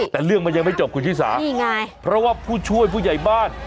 แต่เรื่องมันยังไม่จบคุณชิสานี่ไงเพราะว่าผู้ช่วยผู้ใหญ่บ้าน